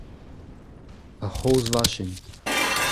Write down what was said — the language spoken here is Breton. ur c'hozh vachin.